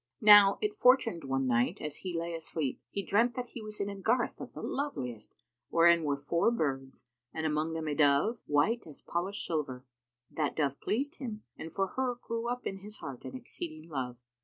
Now it fortuned one night, as he lay asleep, he dreamt that he was in a garth of the loveliest, wherein were four birds, and amongst them a dove, white as polished silver. That dove pleased him and for her grew up in his heart an exceeding love.